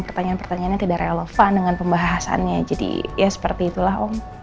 pertanyaan pertanyaannya tidak relevan dengan pembahasannya jadi ya seperti itulah om